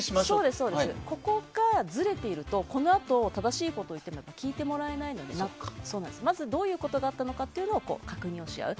ここがずれているとこのあと正しいことを言っても聞いてもらえないのでまず、どういうことがあったのかというのを確認し合う。